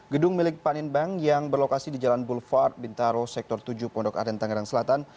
gedung milik paninbank yang berlokasi di jalan boulevard bintaro sektor tujuh pondok arjen tangerang selatan